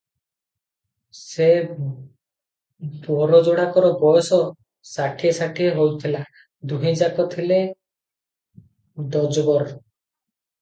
ସେ ବର ଯୋଡ଼ାକର ବୟସ ଷାଠିଏ ଷାଠିଏ ହୋଇଥିଲା, ଦୁହେଁଯାକ ଥିଲେ ଦୋଜବର ।